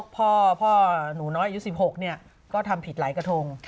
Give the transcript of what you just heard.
พ่อหนูน้อยยุค๑๖เนี่ยก็ทำผิดหลายกระทง